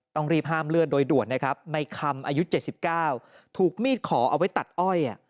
ต้องรีบห้ามเลือดโดยด่วนนะครับในคำอายุ๗๙ถูกมีดขอเอาไว้ตัดอ้อย